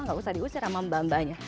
enggak usah diusir sama mba mbanya